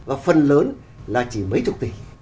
và phần lớn là chỉ mấy chục tỷ